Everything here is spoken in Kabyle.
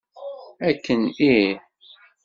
Akken ih!